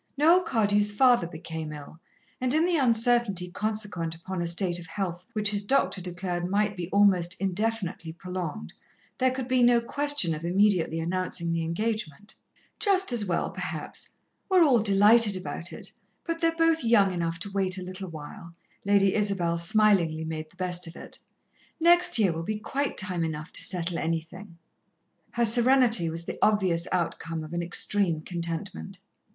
Noel Cardew's father became ill, and in the uncertainty consequent upon a state of health which his doctor declared might be almost indefinitely prolonged, there could be no question of immediately announcing the engagement. "Just as well, perhaps. We're all delighted about it, but they're both young enough to wait a little while," Lady Isabel smilingly made the best of it. "Next year will be quite time enough to settle anything." Her serenity was the obvious outcome of an extreme contentment.